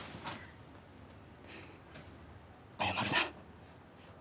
謝るな。